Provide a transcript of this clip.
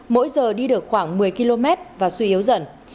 mỗi giờ đi được khoảng một mươi km và suy yếu dần